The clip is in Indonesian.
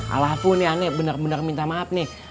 alafu nih aneh bener bener minta maaf nih